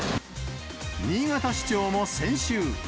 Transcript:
新潟市長も先週。